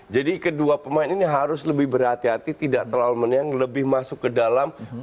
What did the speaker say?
jadi kedua pemain ini harus lebih berhati hati tidak terlalu menyang lebih masuk ke dalam